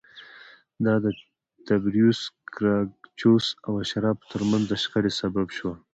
دا د تبریوس ګراکچوس او اشرافو ترمنځ د شخړې سبب شوه